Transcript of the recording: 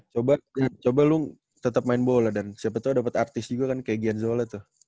coba coba lung tetap main bola dan siapa tau dapat artis juga kan kayak gian zola tuh